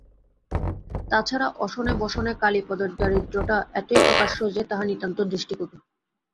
তা ছাড়া অশনে বসনে কালীপদর দারিদ্র্যটা এতই প্রকাশ্য যে তাহা নিতান্ত দৃষ্টিকটু।